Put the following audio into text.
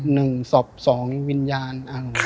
หนึ่งศพสองวิญญาณ